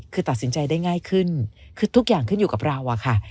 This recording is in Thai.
คือตัดสินใจได้ง่ายขึ้นคือทุกอย่างขึ้นอยู่กับเราอะค่ะ